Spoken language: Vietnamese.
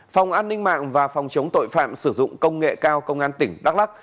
phòng an ninh mạng và phòng chống tội phạm sử dụng công nghệ cao công an tỉnh đắk lắc